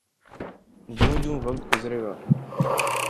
جوں جوں وقت گزرے گا۔